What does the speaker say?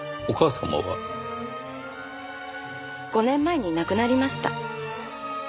５年前に亡くなりました。